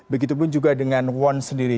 begitupun juga dengan won sendiri